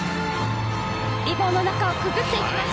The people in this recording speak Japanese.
リボンの中をくぐっていきます。